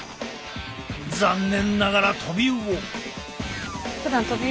残念ながらトビウオ。